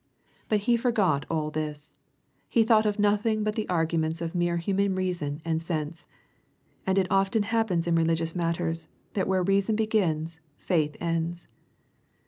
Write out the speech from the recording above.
But he forgot all this. He thought of nothing but the argu ments of mere human reason and sense. And it often hap pens in religious matters, that where reason begins, faith ends.